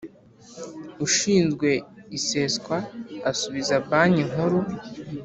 Ushinzwe iseswa asubiza Banki Nkuru